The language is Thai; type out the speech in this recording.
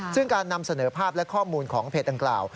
ซึ่งการนำเสนอภาพและข้อมูลของเพจดังกล่าว